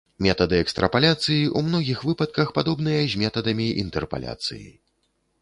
Метады экстрапаляцыі ў многіх выпадках падобныя з метадамі інтэрпаляцыі.